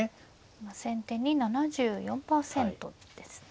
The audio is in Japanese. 今先手に７４％ですね。